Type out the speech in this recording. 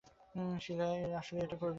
শিলা, আসলেই এটা করবি?